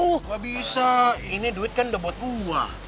gak bisa ini duit kan udah buat uang